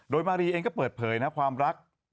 โดยมารีเองก็เปิดเผยนะความรัก